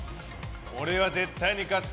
俺は絶対に勝つ。